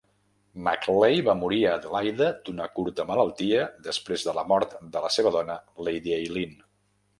McLeay va morir a Adelaida d'una curta malaltia, després de la mort de la seva dona, Lady Eileen.